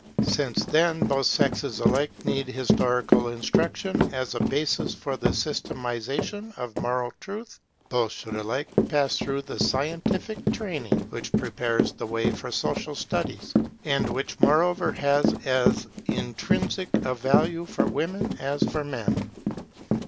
Since, then, both sexes alike need historical instruction as a basis for the systematization of moral truth, both should alike pass through the scientific training which prepares the way for social studies, and which moreover has as intrinsic a value for women as for men.